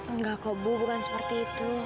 enggak kok bu bukan seperti itu